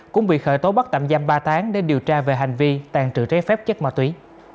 cũng bị khởi tố bắt tạm giam ba tháng để điều tra về hành vi tàn trự trái phép chất ma túy